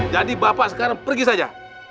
jadi bapak sekarang pergi saja